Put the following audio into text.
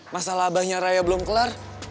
masalah abahnya raya belum kelar